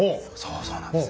そうなんです！